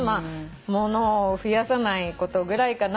物を増やさないことぐらいかななんて。